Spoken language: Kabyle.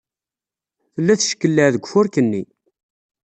Tella teckelleɛ deg ufurk-nni.